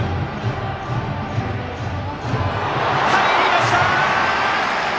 入りました！